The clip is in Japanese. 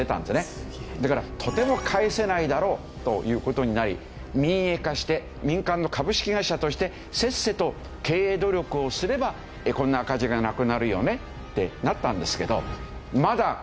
だからとても返せないだろうという事になり民営化して民間の株式会社としてせっせと経営努力をすればこんな赤字がなくなるよねってなったんですけど。